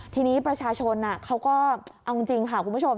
ทีนี้ประชาชนเขาก็เอาจริงค่ะคุณผู้ชม